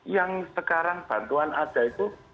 yang sekarang bantuan ada itu